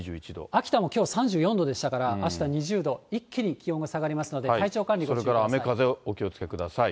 秋田もきょう３４度でしたから、あした２０度、一気に気温が下がりますので、体調管理ご注意ください。